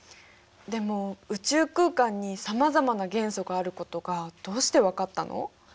でも宇宙空間にさまざまな元素があることがどうしてわかったの？